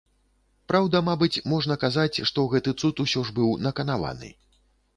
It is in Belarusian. Праўда, мабыць, можна казаць, што гэты цуд усё ж быў наканаваны.